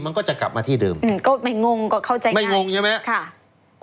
มันก็จะกลับมาที่เดิมอืมก็ไม่งงก็เข้าใจไม่งงใช่ไหมค่ะ